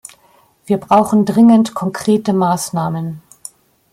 Wir brauchen dringend konkrete Maßnahmen.